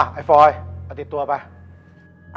ไอ้ฟอยเอาติดตัวไป